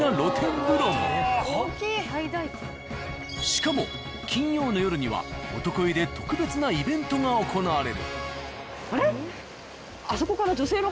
しかも金曜の夜には男湯で特別なイベントが行われる。